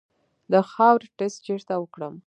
د خاورې ټسټ چیرته وکړم؟